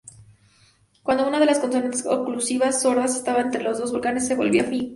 Cuando una de las consonantes oclusivas sordas estaba entre dos vocales se volvía fricativa.